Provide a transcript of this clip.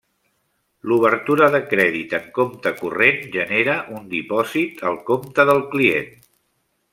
L'obertura de crèdit en compte corrent genera un dipòsit al compte del client.